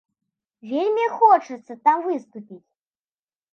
Вельмі хочацца там выступіць.